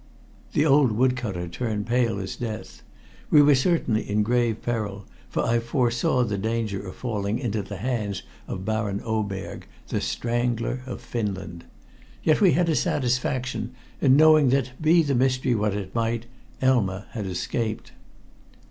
The old wood cutter turned pale as death. We certainly were in grave peril, for I foresaw the danger of falling into the hands of Baron Oberg, the Strangler of Finland. Yet we had a satisfaction in knowing that, be the mystery what it might, Elma had escaped.